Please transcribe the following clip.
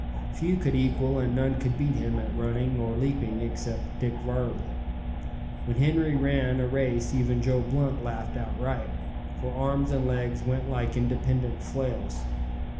Few could equal and none could beat him at running or leaping except Dick Varley. When Henri ran a race even Joe Blunt laughed outright, for arms and legs went like independent flails.